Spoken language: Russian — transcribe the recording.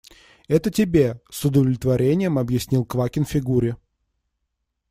Это тебе, – с удовлетворением объяснил Квакин Фигуре.